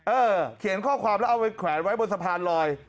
เขียนข้อความแล้วเอาไปแขวนไว้บนสะพานลอย